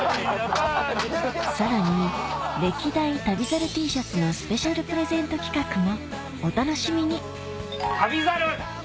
さらに歴代旅猿Ｔシャツのスペシャルプレゼント企画もお楽しみに『旅猿』